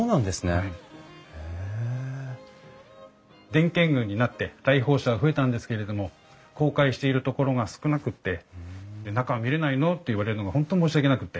伝建群になって来訪者が増えたんですけれども公開しているところが少なくって「中は見れないの？」って言われるのが本当申し訳なくって。